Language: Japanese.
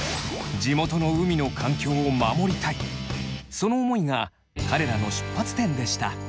その思いが彼らの出発点でした。